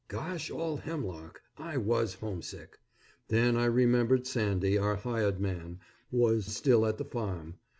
Gosh all hemlock! I was homesick. Then I remembered Sandy, our hired man, was still at the farm.